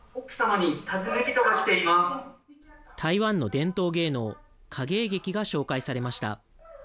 台湾の伝統芸能影絵劇が紹介されました。